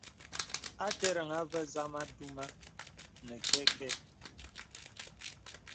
A tɛrəŋ à və̀ zamà duma nə kɛkɛ̄.